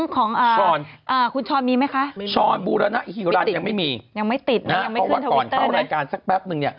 ของคุณช้อนมีไหมคะยังไม่ติดเค้าวัดก่อนเข้ารายการสักแปบนึง